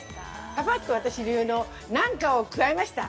ぱぱっと私流の何かを加えました。